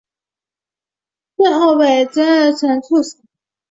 最后被金日成处死。